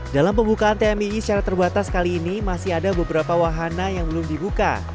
dalam pembukaan tmii secara terbatas kali ini masih ada beberapa wahana yang belum dibuka